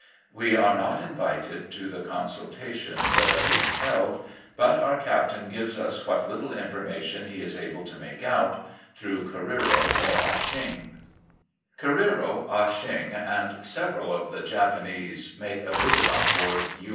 We are not invited to the consultations that are being held, but our captain gives us what little information he is able to make out, through Careero or Ah Cheong. Careero, Ah Cheong, and several of the Japanese make a visit on board U.